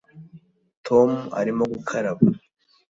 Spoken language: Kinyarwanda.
tom arimo gukaraba